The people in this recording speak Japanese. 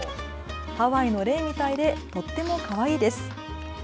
ハワイのレイみたいでとってもかわいいです。